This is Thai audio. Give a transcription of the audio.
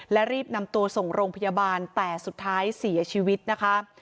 และรีบนำตัวส่งโรงพยาบาลแต่สุดท้ายเสียชีวิตนะคะ